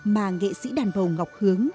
mà nghệ sĩ đàn bầu ngọc hướng